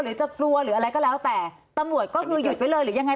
หรือจะกลัวหรืออะไรก็แล้วแต่ตำรวจก็คือหยุดไว้เลยหรือยังไง